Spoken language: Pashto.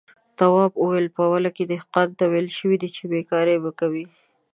تواب وويل: په اوله کې دهقان ته ويل شوي چې بېګار به کوي.